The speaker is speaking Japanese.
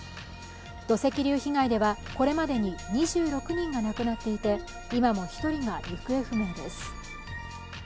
土石流被害ではこれまでに２６人が亡くなっていて今も１人が行方不明です。